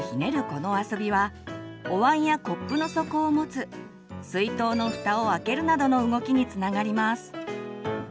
この遊びはおわんやコップの底を持つ水筒のふたを開けるなどの動きにつながります。